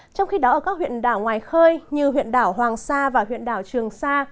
trong khi đó ở các huyện đảo ngoài khơi như huyện đảo hoàng sa và huyện đảo trường sa